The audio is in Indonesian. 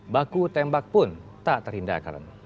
baku tembak pun tak terhindar karena itu